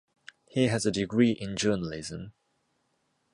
He has a degree in journalism.